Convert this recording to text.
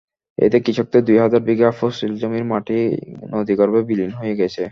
এতে কৃষকদের দুই হাজার বিঘা ফসলি জমির মাটি নদীগর্ভে বিলীন হয়ে গেছে।